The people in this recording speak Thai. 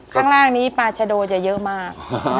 ข้างล่างนี้ปลาชะโดจะเยอะมาก